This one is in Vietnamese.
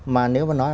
mà nếu mà nói